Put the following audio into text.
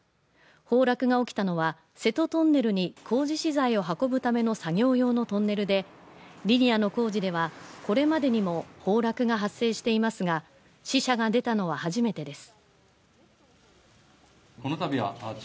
崩落が起きたのは瀬戸トンネルに工事資材を運ぶための作業用のトンネルでリニアの工事では、これまでにも崩落が発生していますが、死者が出たのは初めてです。